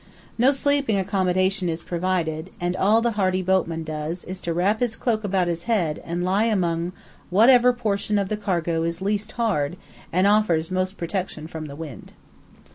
No sleeping accommodation is provided, and all the hardy boatman does is to wrap his cloak about his head and lie among whatever portion of the cargo is least hard and offers most protection from the wind.